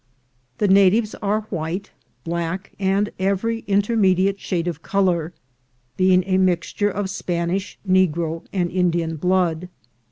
The natives are white, black, and every interme diate shade of color, being a mixture of Spanish, Negro, and Indian blood.